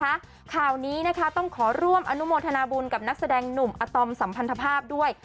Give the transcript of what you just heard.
ข่าวนี้นะคะต้องขอร่วมอนุโมทนาบุญกับนักแสดงหนุ่มอาตอมสัมพันธภาพด้วย